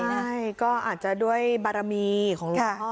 ใช่ก็อาจจะด้วยบารมีของเรา